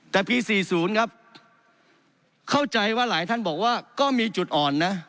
แต่ปี๔๐ครับเข้าใจว่าหลายท่านบอกว่าก็มีจุดอ่อนนะ